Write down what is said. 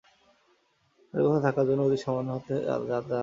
তাদের থাকবার স্থান অতি সামান্য এবং হাতে হাতে আহার দেয়।